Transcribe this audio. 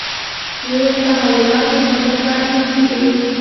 نورو تحولاتو پر مخ لاره خلاصېږي.